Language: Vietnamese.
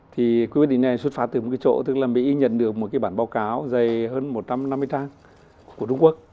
thì quyết định này xuất phát từ một cái chỗ tức là mỹ nhận được một cái bản báo cáo dày hơn một trăm năm mươi trang của trung quốc